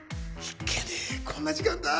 いけねえこんな時間だ！